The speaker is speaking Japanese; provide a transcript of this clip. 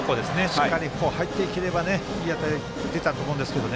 しっかり入っていければいい当たりが出たと思うんですけど。